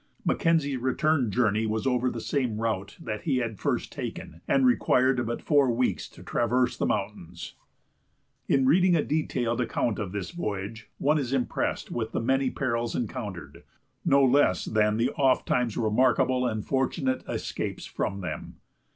Mackenzie's return journey was over the same route that he had first taken, and required but four weeks to traverse the mountains. In reading a detailed account of this voyage, one is impressed with the many perils encountered, no less than the ofttimes remarkable and fortunate escapes from them.